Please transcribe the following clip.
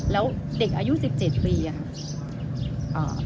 แล้วเด็กอายุ๑๗ปีค่ะ